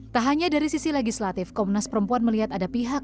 tak hanya dari sisi legislatif komnas perempuan melihat ada pihak